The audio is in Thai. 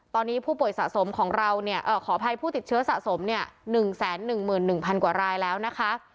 ตอนนี้ผู้ป่วยสะสมของเราเนี่ยขออภัยผู้ติดเชื้อสะสม๑๑๑๐๐กว่ารายแล้วนะคะ